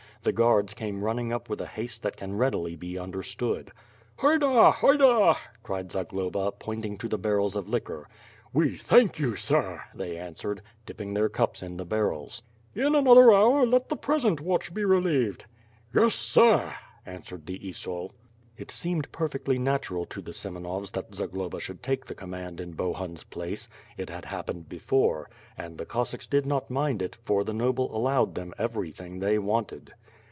The guards came running up with a haste that can readily be understood. "Haida! haida!" cried Zagloba, pointing to the barrels of liquor. "We thank you, sir," they answered, dipping their cups in the barrels. In another hour let the present watch be relieved." "Yes, sir," answ^ered the Esaul. It seemed perfectly natural to the Semenovs that Zagloba should take the command in Bohun's place; it had happened before, and the Cossacks did not mind it, for the noble al low^ed them everything they wanted.